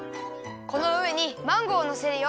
このうえにマンゴーをのせるよ。